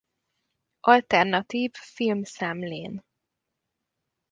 Alternatív Filmszemlén.